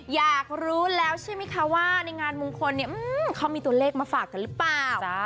อยากรู้แล้วใช่ไหมคะว่าในงานมงคลเนี่ยเขามีตัวเลขมาฝากกันหรือเปล่า